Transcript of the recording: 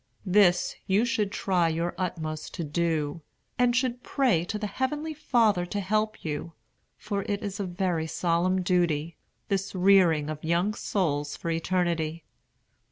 This you should try your utmost to do, and should pray to the Heavenly Father to help you; for it is a very solemn duty, this rearing of young souls for eternity.